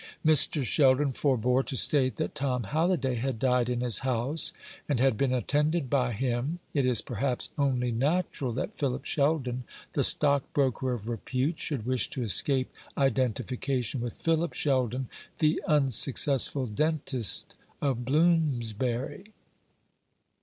Mr. Sheldon forebore to state that Tom Halliday had died in his house, and had been attended by him. It is, perhaps, only natural that Philip Sheldon, the stockbroker of repute, should wish to escape identification with Philip Sheldon, the unsuccessful dentist of Bloomsbury.